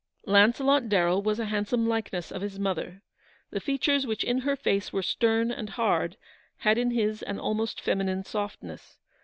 Launcelot Darrell was a handsome likeness of his mother. The features which in her face were stern and hard, had in his an almost feminine softness.